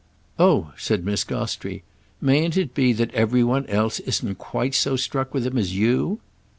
"Oh," said Miss Gostrey, "mayn't it be that every one else isn't quite so struck with him as you?"